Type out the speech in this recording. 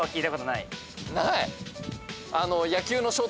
ない。